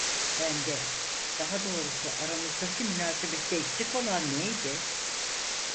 Bende, daha doğrusu aramızdaki münasebette eksik olan neydi?